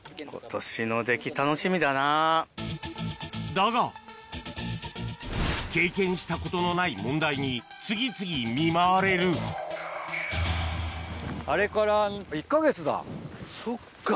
だが経験したことのない問題に次々見舞われるそっか。